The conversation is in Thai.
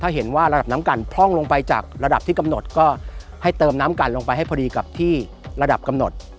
ถ้าเห็นว่าระดับน้ำกันพร่องลงไปจากระดับที่กำหนดก็ให้เติมน้ำกันลงไปให้พอดีกับที่ระดับกำหนด